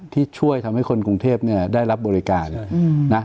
ที่ช่วยทำให้คนกรุงเทพได้รับบริการนะ